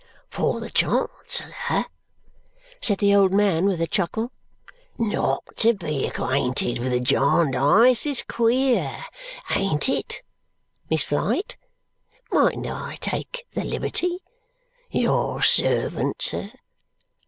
"For the Chancellor," said the old man with a chuckle, "not to be acquainted with a Jarndyce is queer, ain't it, Miss Flite? Mightn't I take the liberty? Your servant, sir.